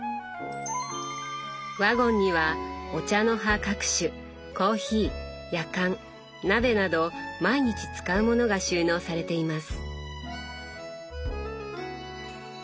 ワゴンにはお茶の葉各種コーヒーやかん鍋など毎日使うものが収納されています。